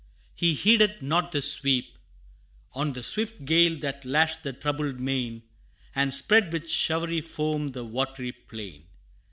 He heeded not the sweep Of the swift gale that lashed the troubled main, And spread with showery foam the watery plain.